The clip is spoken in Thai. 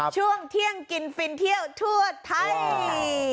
ช่วงเที่ยงกินฟินเที่ยวทั่วไทย